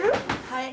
はい。